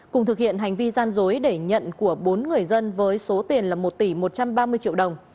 cùng thực hiện hành vi gian dối để nhận của bốn người dân với số tiền là một tỷ một trăm ba mươi triệu đồng